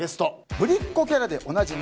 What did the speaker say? ぶりっ子キャラでおなじみ。